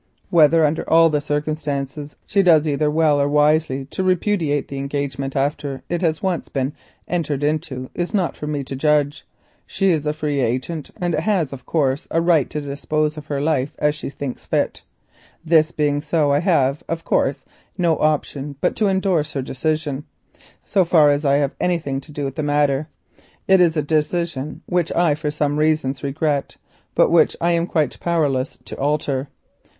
Whether under all the circumstances she does either well or wisely to repudiate the engagement after it has once been agreed upon, is not for me to judge. She is a free agent and has a natural right to dispose of her life as she thinks fit. This being so I have of course no option but to endorse her decision, so far as I have anything to do with the matter. It is a decision which I for some reasons regret, but which I am quite powerless to alter.